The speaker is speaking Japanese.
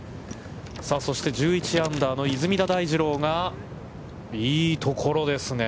さあ、そして、１１アンダーの出水田大二郎がいいところですね。